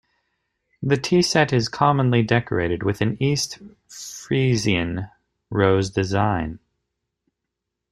The tea set is commonly decorated with an East Friesian Rose design.